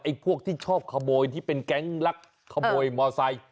ไอ้พวกที่ชอบคบอยที่เป็นแก๊งรักคบอยมอเซย์